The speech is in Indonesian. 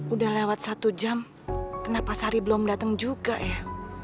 udah lewat satu jam kenapa sari belum datang juga ya